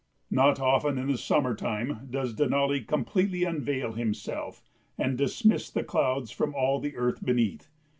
Not often in the summer time does Denali completely unveil himself and dismiss the clouds from all the earth beneath.